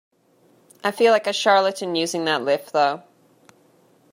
I feel like a charlatan using that lift though.